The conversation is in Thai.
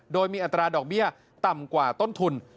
โดยมีอัตราดอกเบี้ยต่ำกว่าต้นทุน